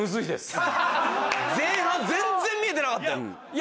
前半全然見えてなかったよ。